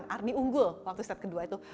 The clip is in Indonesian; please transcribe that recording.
arni unggul waktu set kedua itu